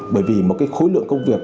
bởi vì một cái khối lượng công việc